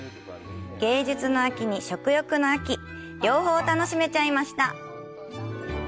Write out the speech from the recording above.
芸術の秋に食欲の秋両方楽しめちゃいました。